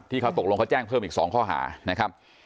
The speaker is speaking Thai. ที่เขาตกลงเขาแจ้งเพิ่มอีก๒ข้อหานะครับ